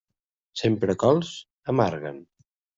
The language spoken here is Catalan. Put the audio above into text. Sempre cols, amarguen.